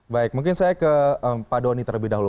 baik mungkin saya ke pak doni terlebih dahulu